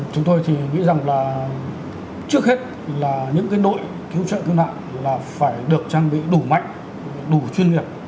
chúng tôi chỉ nghĩ rằng là trước hết là những đội cứu trợ cứu nạn là phải được trang bị đủ mạnh đủ chuyên nghiệp